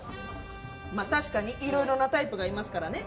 まあ確かにいろいろなタイプがいますからね。